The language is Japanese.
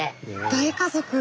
大家族。